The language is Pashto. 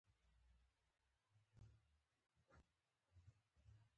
دلته هرڅوک خپل حق غواړي